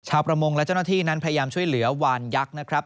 ประมงและเจ้าหน้าที่นั้นพยายามช่วยเหลือวานยักษ์นะครับ